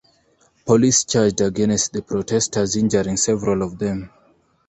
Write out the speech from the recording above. Police charged against the protestors, injuring several of them.